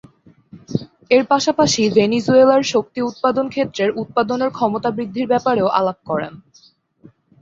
এর পাশাপাশি, ভেনেজুয়েলার শক্তি উৎপাদন ক্ষেত্রের উৎপাদনের ক্ষমতা বৃদ্ধির ব্যাপারেও আলাপ করেন।